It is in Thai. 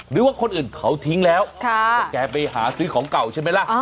หรือว่าคนอื่นเขาทิ้งแล้วแต่แกไปหาซื้อของเก่าใช่ไหมล่ะ